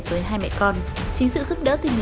thế hai mẹ con của cô ở đâu